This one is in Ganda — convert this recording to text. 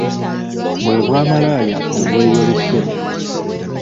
Bwe bwa malaaya obweyolese.